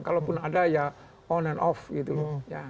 kalaupun ada ya on and off gitu